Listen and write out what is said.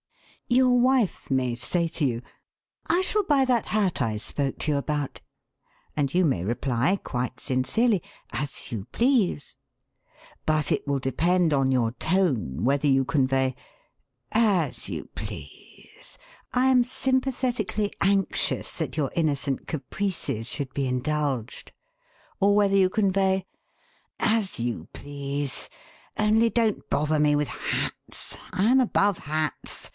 Your wife may say to you: 'I shall buy that hat I spoke to you about.' And you may reply, quite sincerely, 'As you please.' But it will depend on your tone whether you convey: 'As you please. I am sympathetically anxious that your innocent caprices should be indulged.' Or whether you convey: 'As you please. Only don't bother me with hats. I am above hats.